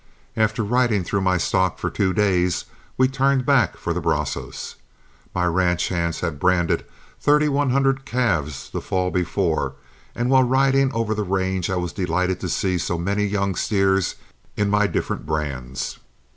After riding through my stock for two days, we turned back for the Brazos. My ranch hands had branded thirty one hundred calves the fall before, and while riding over the range I was delighted to see so many young steers in my different brands.